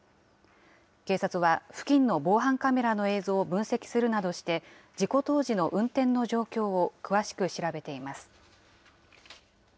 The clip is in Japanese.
警察は付近の防犯カメラの映像を分析するなどして、事故当時の運転の状況を詳しく調べています。